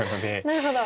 なるほど。